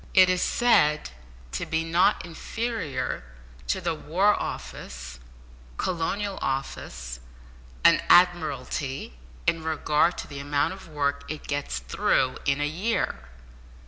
It is said to be not inferior to the War Office, Colonial Office, and Admiralty in regard to the amount of work it gets through in a year!